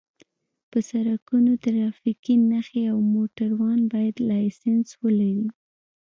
په سرکونو ټرافیکي نښې او موټروان باید لېسنس ولري